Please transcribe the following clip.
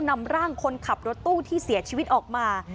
นำร่างคนขับรถตู้ที่เสียชีวิตออกมา